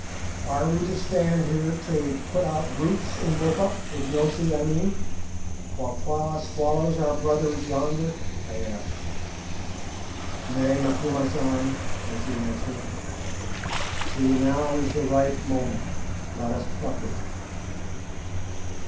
"Are we to stand here till we put out roots, Umbopa—Ignosi, I mean—while Twala swallows our brothers yonder?" I asked. "Nay, Macumazahn," was the answer; "see, now is the ripe moment: let us pluck it."